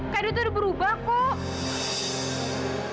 kado itu udah berubah kok